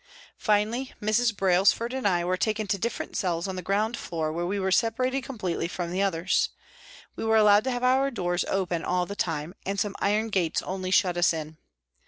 Finally, Mrs. Brailsford and I were taken to different cells on the ground floor where we were separated completely from the others. We were allowed to have our doors open all the time, and some iron gates only shut us in.